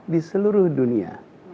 di seluruh dunia